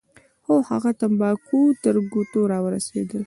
خو هغه تمباکو زموږ تر ګوتو نه راورسېدل.